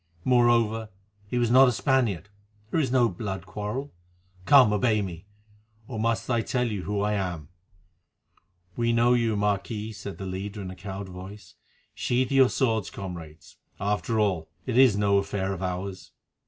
Moreover, he was not a Spaniard, there is no blood quarrel. Come, obey me! or must I tell you who I am?" "We know you, Marquis," said the leader in a cowed voice. "Sheath your swords, comrades; after all, it is no affair of ours."